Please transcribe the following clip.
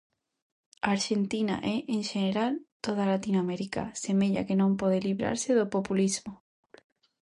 Arxentina –e en xeral toda Latinoamérica– semella que non pode librarse do populismo.